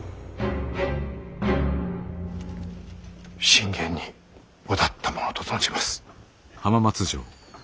信玄に渡ったものと存じます。